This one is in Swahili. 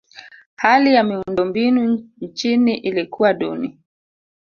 hali ya miundombinu nchini ilikuwa duni